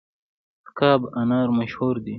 تګاب انار مشهور دي؟